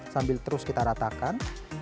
sambil terus kita ratakan